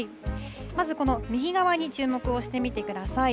まずこの右側に注目をしてみてください。